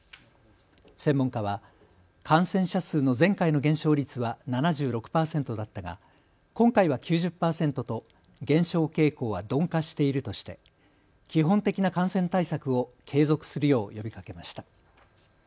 専門家は感染者数の前回の減少率は７６％だったが今回は９０％と減少傾向は鈍化しているとして基本的な感染対策を継続するよう呼びかけました。